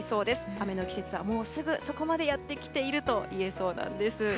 雨の季節は、もうすぐそこまでやってきているといえそうなんです。